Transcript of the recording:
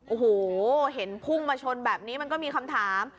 โอ้โหเห็นพุ่งมาชนแบบนี้มันก็มีคำถาม